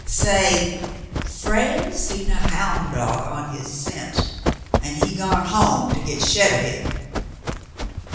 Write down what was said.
'' "Say, * Frale seen a houn' dog on his scent, an' he's gone home to git shet of him.'